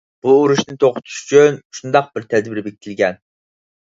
بۇ ئۇرۇشنى توختىتىش ئۈچۈن شۇنداق بىر تەدبىر بېكىتىلگەن.